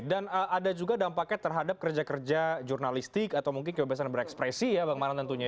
dan ada juga dampaknya terhadap kerja kerja jurnalistik atau mungkin kebebasan berekspresi ya bang maran tentunya